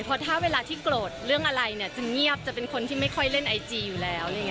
เพราะถ้าเวลาที่โกรธเรื่องอะไรเนี่ยจะเงียบจะเป็นคนที่ไม่ค่อยเล่นไอจีอยู่แล้ว